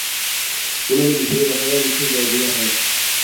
Una miniserie basada en hechos de la vida real.